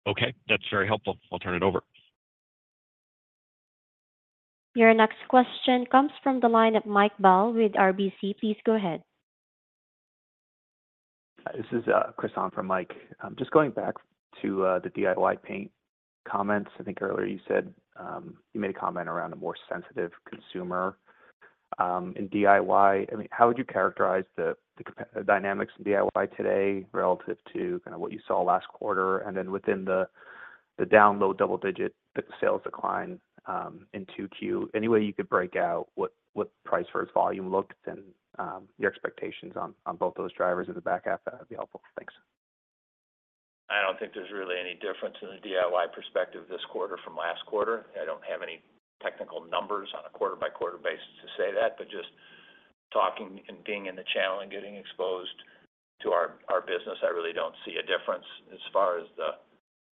Okay, that's very helpful. I'll turn it over. Your next question comes from the line of Mike Dahl with RBC. Please go ahead. Hi, this is Chris on for Mike. Just going back to the DIY paint comments. I think earlier you said you made a comment around a more sensitive consumer in DIY. I mean, how would you characterize the dynamics in DIY today relative to kind of what you saw last quarter? And then within the down low double-digit sales decline in Q2. Any way you could break out what price versus volume looked, and your expectations on both those drivers in the back half, that would be helpful. Thanks. I don't think there's really any difference in the DIY perspective this quarter from last quarter. I don't have any technical numbers on a quarter-by-quarter basis to say that, but just talking and being in the channel and getting exposed to our, our business, I really don't see a difference. As far as the,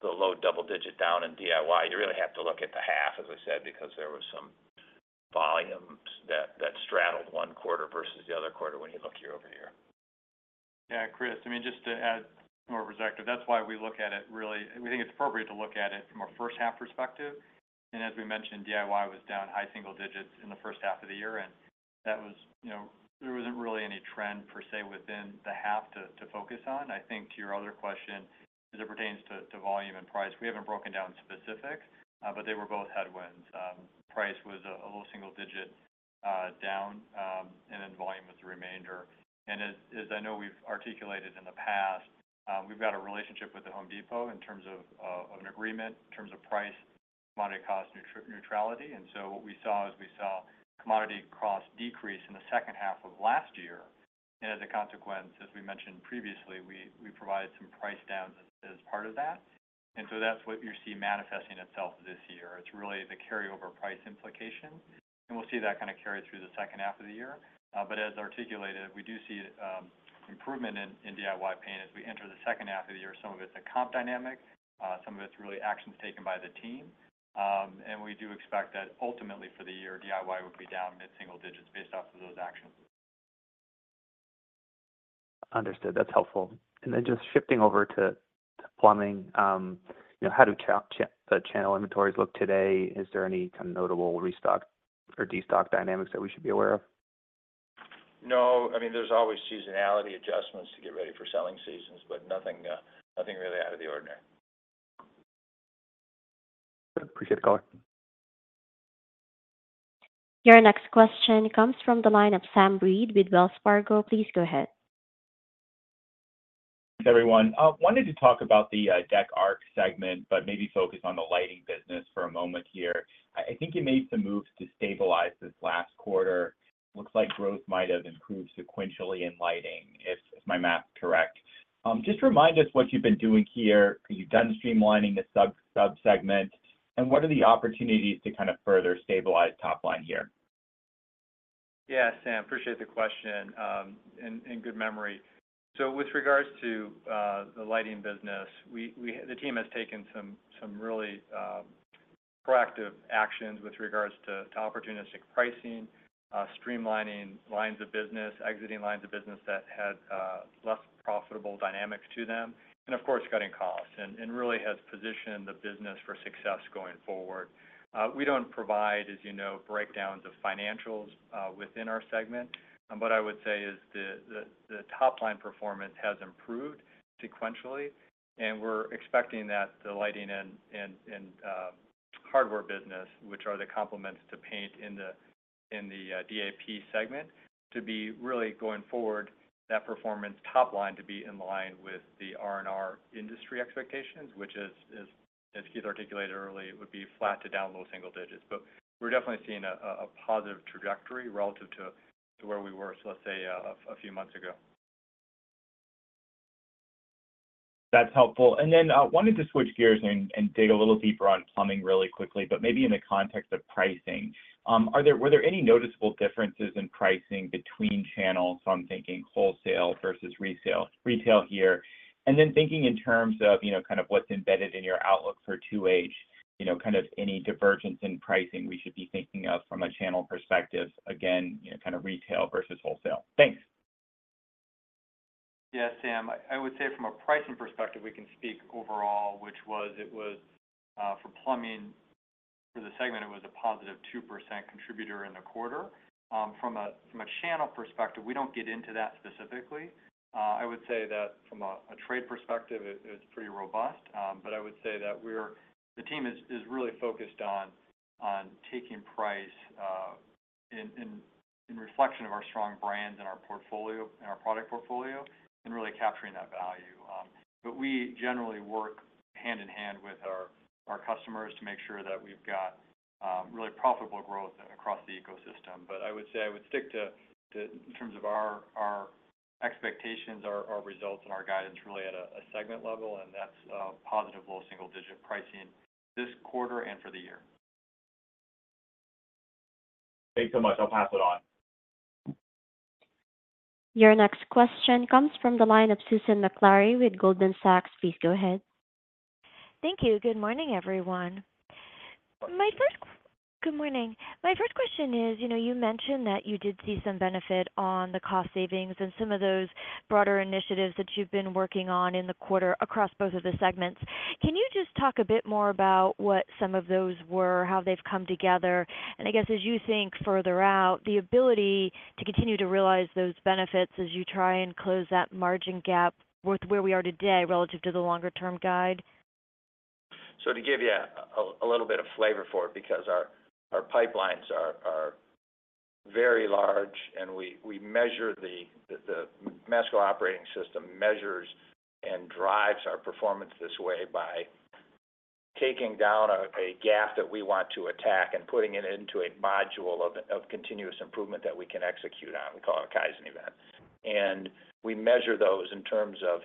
the low double-digit down in DIY, you really have to look at the half, as I said, because there was some volumes that, that straddled one quarter versus the other quarter when you look year-over-year. Yeah, Chris, I mean, just to add more perspective, that's why we look at it really. We think it's appropriate to look at it from a first half perspective. And as we mentioned, DIY was down high single digits in the first half of the year, and that was, you know, there wasn't really any trend per se, within the half to focus on. I think to your other question, as it pertains to volume and price, we haven't broken down specifics, but they were both headwinds. Price was a low single digit down, and then volume was the remainder. And as I know we've articulated in the past, we've got a relationship with The Home Depot in terms of an agreement, in terms of price, commodity cost neutrality. What we saw is, we saw commodity cost decrease in the second half of last year, and as a consequence, as we mentioned previously, we provided some price downs as part of that. That's what you see manifesting itself this year. It's really the carryover price implication, and we'll see that kind of carry through the second half of the year. But as articulated, we do see improvement in DIY paint as we enter the second half of the year. Some of it's a comp dynamic, some of it's really actions taken by the team. We do expect that ultimately for the year, DIY will be down mid-single digits based off of those actions. Understood. That's helpful. And then just shifting over to plumbing, you know, how do the channel inventories look today? Is there any kind of notable restock or destock dynamics that we should be aware of? No. I mean, there's always seasonality adjustments to get ready for selling seasons, but nothing really out of the ordinary. Appreciate the color. Your next question comes from the line of Sam Reid with Wells Fargo. Please go ahead. Thanks, everyone. I wanted to talk about the DA segment, but maybe focus on the lighting business for a moment here. I think you made some moves to stabilize this last quarter. Looks like growth might have improved sequentially in lighting, if my math is correct. Just remind us what you've been doing here, 'cause you've done streamlining the subsegment, and what are the opportunities to kind of further stabilize top line here? Yeah, Sam, appreciate the question, and good memory. So with regards to the lighting business, we the team has taken some really proactive actions with regards to opportunistic pricing, streamlining lines of business, exiting lines of business that had less profitable dynamics to them, and of course, cutting costs, and really has positioned the business for success going forward. We don't provide, as you know, breakdowns of financials within our segment. But what I would say is the top-line performance has improved sequentially, and we're expecting that the lighting and hardware business, which are the complements to paint in the DAP segment, to be really going forward, that performance top line to be in line with the R&R industry expectations, which is as Keith articulated early, would be flat to down low single digits. But we're definitely seeing a positive trajectory relative to where we were, so let's say a few months ago. That's helpful. And then wanted to switch gears and dig a little deeper on plumbing really quickly, but maybe in the context of pricing. Are there—were there any noticeable differences in pricing between channels? So I'm thinking wholesale versus resale, retail here. And then thinking in terms of, you know, kind of what's embedded in your outlook for H2, you know, kind of any divergence in pricing we should be thinking of from a channel perspective, again, you know, kind of retail versus wholesale. Thanks. Yeah, Sam, I would say from a pricing perspective, we can speak overall, which was it was for plumbing for the segment it was a positive 2% contributor in the quarter. From a channel perspective, we don't get into that specifically. I would say that from a trade perspective, it's pretty robust. But I would say that the team is really focused on taking price in reflection of our strong brand and our portfolio, and our product portfolio, and really capturing that value. But we generally work hand-in-hand with our customers to make sure that we've got really profitable growth across the ecosystem. But I would say I would stick to, in terms of our expectations, our results, and our guidance, really at a segment level, and that's positive low single digit pricing this quarter and for the year. Thanks so much. I'll pass it on. Your next question comes from the line of Susan Maklari with Goldman Sachs. Please go ahead. Thank you. Good morning, everyone. My first question is, you know, you mentioned that you did see some benefit on the cost savings and some of those broader initiatives that you've been working on in the quarter across both of the segments. Can you just talk a bit more about what some of those were, how they've come together? And I guess, as you think further out, the ability to continue to realize those benefits as you try and close that margin gap with where we are today relative to the longer term guide. So to give you a little bit of flavor for it, because our pipelines are very large, and we measure the Masco Operating System measures and drives our performance this way by taking down a gap that we want to attack and putting it into a module of continuous improvement that we can execute on. We call it a Kaizen event. And we measure those in terms of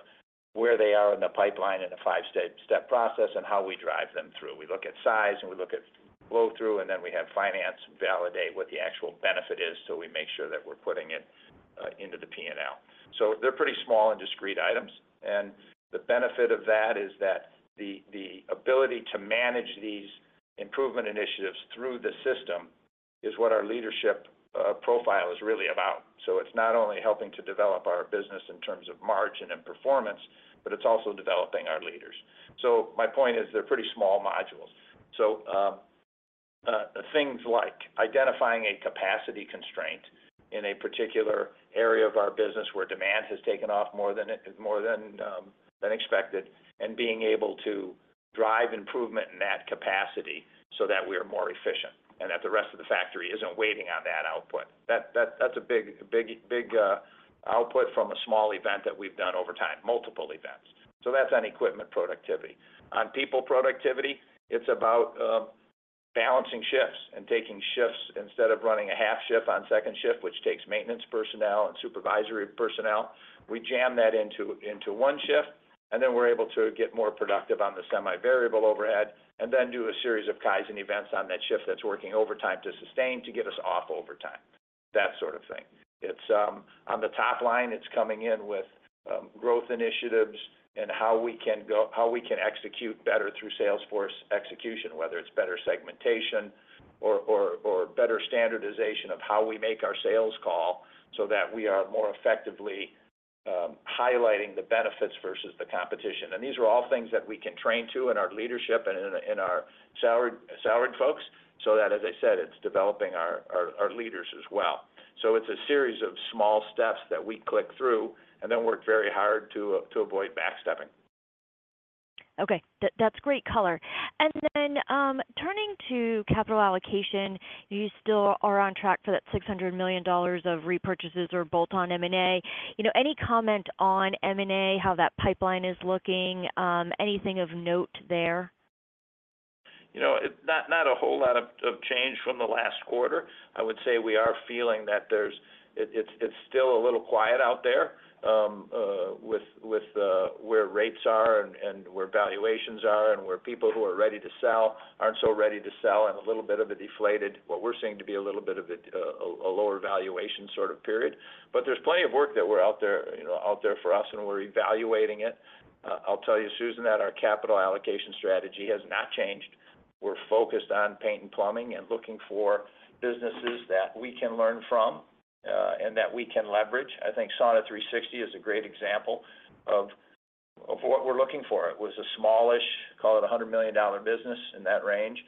where they are in the pipeline in a five-step process and how we drive them through. We look at size, and we look at flow-through, and then we have finance validate what the actual benefit is, so we make sure that we're putting it into the P&L. So they're pretty small and discrete items. And the benefit of that is that the ability to manage these improvement initiatives through the system is what our leadership profile is really about. So it's not only helping to develop our business in terms of margin and performance, but it's also developing our leaders. So my point is, they're pretty small modules. So things like identifying a capacity constraint in a particular area of our business where demand has taken off more than expected, and being able to drive improvement in that capacity so that we are more efficient and that the rest of the factory isn't waiting on that output. That's a big, big, big output from a small event that we've done over time, multiple events. So that's on equipment productivity. On people productivity, it's about balancing shifts and taking shifts instead of running a half shift on second shift, which takes maintenance personnel and supervisory personnel. We jam that into one shift, and then we're able to get more productive on the semi-variable overhead and then do a series of Kaizen events on that shift that's working overtime to sustain, to get us off overtime, that sort of thing. It's on the top line, it's coming in with growth initiatives and how we can execute better through sales force execution, whether it's better segmentation or better standardization of how we make our sales call so that we are more effectively highlighting the benefits versus the competition. These are all things that we can train to in our leadership and in our salaried folks, so that, as I said, it's developing our leaders as well. It's a series of small steps that we click through and then work very hard to avoid backstepping. Okay, that, that's great color. And then, turning to capital allocation, you still are on track for that $600 million of repurchases or bolt-on M&A. You know, any comment on M&A, how that pipeline is looking? Anything of note there? You know, it not a whole lot of change from the last quarter. I would say we are feeling that there's. It's still a little quiet out there with the where rates are and where valuations are, and where people who are ready to sell aren't so ready to sell, and a little bit of a deflated, what we're seeing to be a little bit of a lower valuation sort of period. But there's plenty of work that we're out there, you know, out there for us, and we're evaluating it. I'll tell you, Susan, that our capital allocation strategy has not changed. We're focused on paint and plumbing and looking for businesses that we can learn from and that we can leverage. I think Sauna360 is a great example of what we're looking for. It was a smallish, call it a $100 million business, in that range,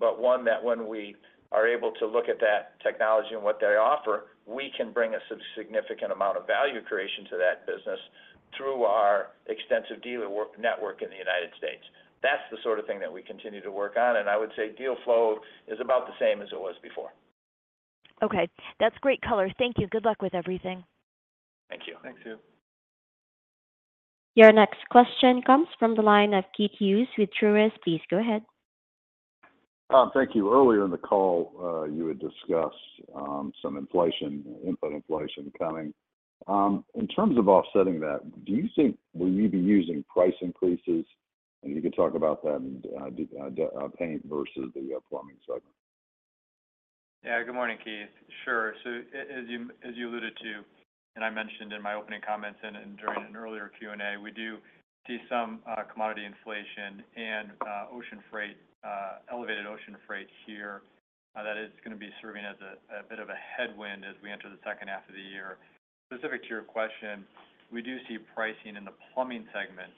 but one that when we are able to look at that technology and what they offer, we can bring a significant amount of value creation to that business through our extensive dealer work network in the United States. That's the sort of thing that we continue to work on, and I would say deal flow is about the same as it was before. Okay, that's great color. Thank you. Good luck with everything. Thank you. Thanks, Sue. Your next question comes from the line of Keith Hughes with Truist. Please go ahead. Thank you. Earlier in the call, you had discussed some inflation, input inflation coming. In terms of offsetting that, do you think, will you be using price increases? And you can talk about that in the paint versus the plumbing segment. Yeah, good morning, Keith. Sure. So as you, as you alluded to, and I mentioned in my opening comments and during an earlier Q&A, we do see some commodity inflation and ocean freight, elevated ocean freight here, that is gonna be serving as a bit of a headwind as we enter the second half of the year. Specific to your question, we do see pricing in the plumbing segment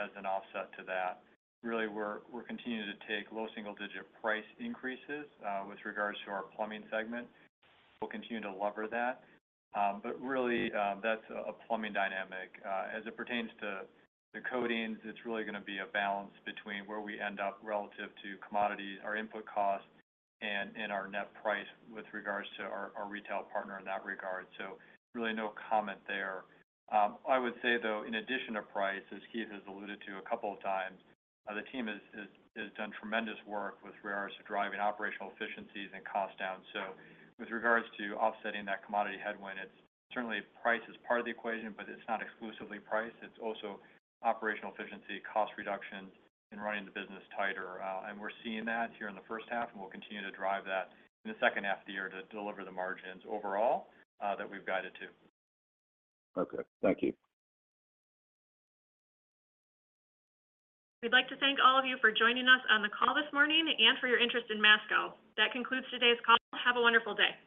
as an offset to that. Really, we're continuing to take low single-digit price increases with regards to our plumbing segment. We'll continue to lever that, but really, that's a plumbing dynamic. As it pertains to the coatings, it's really gonna be a balance between where we end up relative to commodity, our input costs, and our net price with regards to our retail partner in that regard. So really no comment there. I would say, though, in addition to price, as Keith has alluded to a couple of times, the team has done tremendous work with regards to driving operational efficiencies and cost down. So with regards to offsetting that commodity headwind, it's certainly price is part of the equation, but it's not exclusively price. It's also operational efficiency, cost reduction, and running the business tighter. And we're seeing that here in the first half, and we'll continue to drive that in the second half of the year to deliver the margins overall, that we've guided to. Okay, thank you. We'd like to thank all of you for joining us on the call this morning and for your interest in Masco. That concludes today's call. Have a wonderful day.